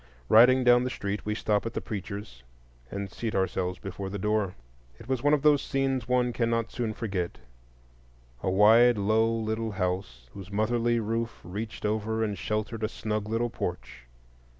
Riding down the street, we stop at the preacher's and seat ourselves before the door. It was one of those scenes one cannot soon forget:—a wide, low, little house, whose motherly roof reached over and sheltered a snug little porch.